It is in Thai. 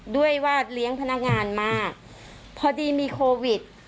ด้วยว่าเลี้ยงพนักงานมากพอดีมีโควิด